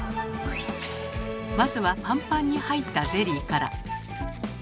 まずはパンパンに入ったゼリーから。